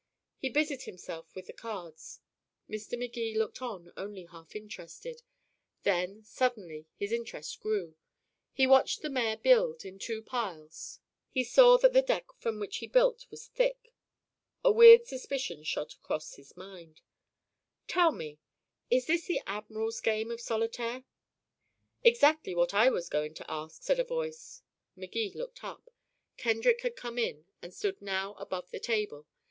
He busied himself with the cards. Mr. Magee looked on, only half interested. Then, suddenly, his interest grew. He watched the mayor build, in two piles; he saw that the deck from which he built was thick. A weird suspicion shot across his mind. "Tell me," he asked, "is this the admiral's game of solitaire?" "Exactly what I was going to ask," said a voice. Magee looked up. Kendrick had come in, and stood now above the table.